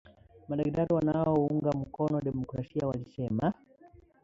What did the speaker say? Madaktari wanaounga mkono demokrasia walisema.